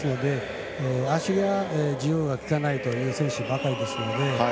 足の自由が利かないという選手ばかりですので。